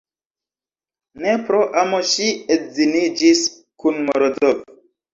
Ne pro amo ŝi edziniĝis kun Morozov.